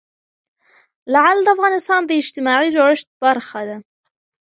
لعل د افغانستان د اجتماعي جوړښت برخه ده.